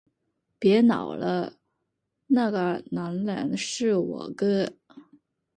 别闹了，那个男人是我哥